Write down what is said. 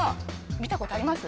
見たことあります？